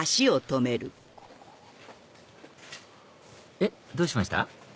えっどうしました？